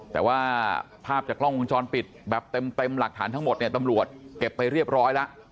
แต่ว่าภาพจากกล้องวงจรปิดแบบเต็มหลักฐานทั้งหมดเนี่ยตำรวจเก็บไปเรียบร้อยแล้ว